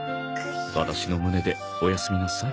アタシの胸でおやすみなさい。